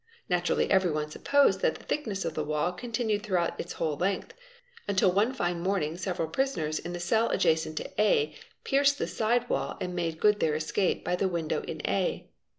Fig. 81. Naturally everyone supposed that the thickness of the wall continued throughout its whole length, until one fine morning several prisoners in the cell adjacent to A pierced the side wall and made good their escape yy the window in A.